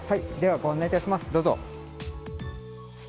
ご案内いたします。